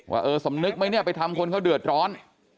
ว่าเออสำนึกไปทำคนเขาเดือดร้อน